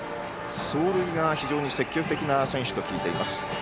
走塁が非常に積極的な選手と聞いています。